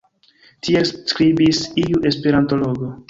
Tiel skribis iu esperantologo.